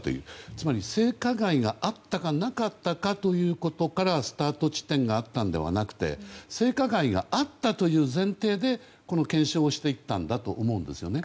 つまり性加害があったかなかったということからスタート地点じゃなくて性加害があったという前提で検証をしていったんだと思うんですね。